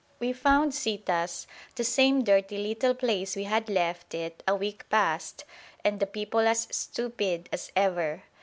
We found Citas the same dirty little place we had left it a week past and the people as stupid as ever.